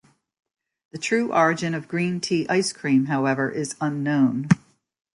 The true origin of green tea ice cream, however, is unknown.